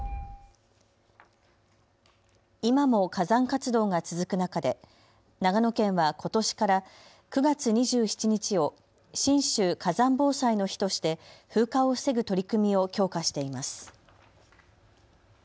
今も火山活動が続く中で長野県はことしから９月２７日を信州火山防災の日として風化を防ぐ取り組みを強化しています。